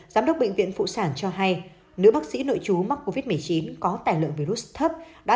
giám đốc bệnh viện phụ sản cho hay nữ bác sĩ nội chú mắc covid một mươi chín có tài lượng virus thấp